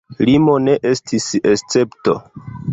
Limo ne estis escepto.